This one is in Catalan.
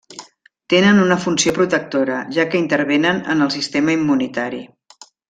Tenen una funció protectora, ja que intervenen en el sistema immunitari.